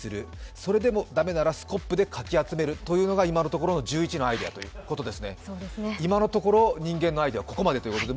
それでも駄目ならスコップでかき集めるというのが今のところの１１のアイデアということです。